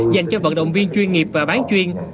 dành cho vận động viên chuyên nghiệp và bán chuyên